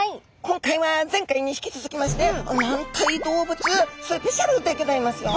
今回は前回に引き続きまして軟体動物スペシャルでギョざいますよ！